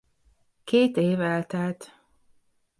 Két év eltelt.